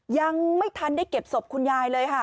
ยังไม่ทันได้เก็บศพคุณยายเลยค่ะ